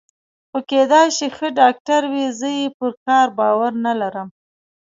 خو کېدای شي ښه ډاکټر وي، زه یې پر کار باور نه لرم.